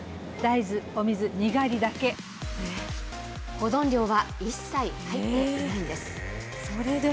保存料は一切入っていないんです。